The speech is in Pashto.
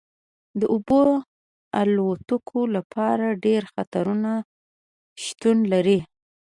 د اوبو الوتکو لپاره ډیر خطرونه شتون لري